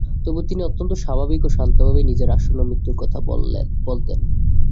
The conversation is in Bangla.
তবু, তিনি অত্যন্ত স্বাভাবিক ও শান্তভাবেই নিজের আসন্ন মৃত্যুর কথা বলতেন।